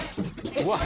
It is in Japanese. うわっ。